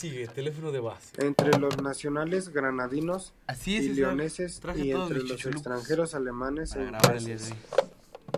Entre los nacionales granadinos y leoneses y entre los extranjeros alemanes e ingleses.